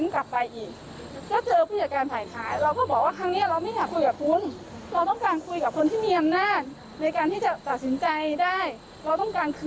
กับลูกค้ากับผู้บริโภค